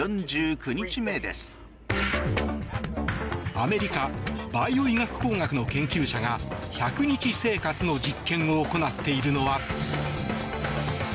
アメリカバイオ医学工学の研究者が１００日生活の実験を行っているのは。